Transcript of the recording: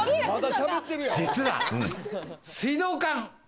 実は水道管。